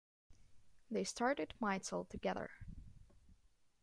They started Mitel together.